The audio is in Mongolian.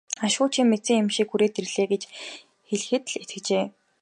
Ашгүй чи мэдсэн юм шиг хүрээд ирлээ гэж хэлэхэд л итгэжээ.